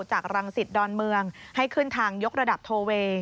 จากรังสิตดอนเมืองให้ขึ้นทางยกระดับโทเวย์